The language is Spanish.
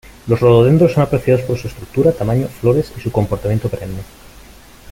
Los rododendros son apreciados por su estructura, tamaño, flores y su comportamiento perenne.